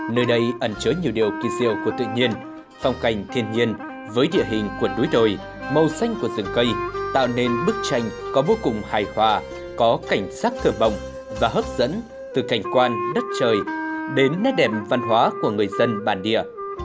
nơi đây ẩn chứa nhiều điều kỳ diệu của tự nhiên phong cảnh thiên nhiên với địa hình của núi đồi màu xanh của rừng cây tạo nên bức tranh có vô cùng hài hòa có cảnh sắc thơm bồng và hấp dẫn từ cảnh quan đất trời đến nét đẹp văn hóa của người dân bản địa